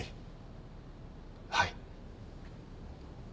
はい。